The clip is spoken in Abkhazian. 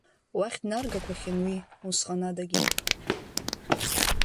Уахь днаргақәахьан уи усҟан адагьы.